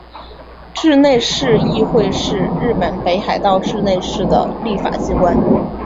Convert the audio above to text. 稚内市议会是日本北海道稚内市的立法机关。